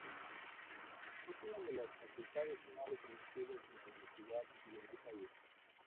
Es una de las facultades más reconocidas en la universidad y en el país.